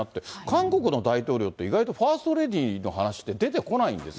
韓国の大統領って意外とファーストレディーの話って出てこないん